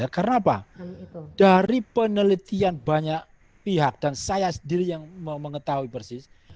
karena apa dari penelitian banyak pihak dan saya sendiri yang mengetahui persis